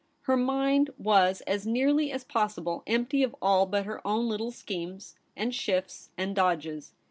Her mind was as nearly as possible empty of all but her own little schemes, and shifts, and dodges.